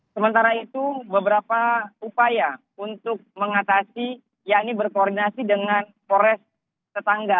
sementara itu beberapa upaya untuk mengatasi ya ini berkoordinasi dengan forest tetangga